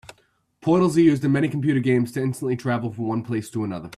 Portals are used in many computer games to instantly travel from one place to another.